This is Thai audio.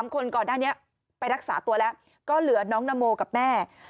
๓คนก่อนหน้านี้ไปรักษาตัวแล้วก็เหลือน้องนโมกับแม่